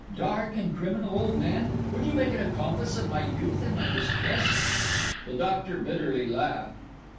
Dark and criminal old man, would you make an accomplice of my youth and my distress?" The Doctor bitterly laughed.